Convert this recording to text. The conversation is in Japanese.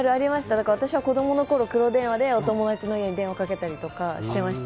だから私は子どものころ、黒電話でお友達の家に電話かけたりしてました。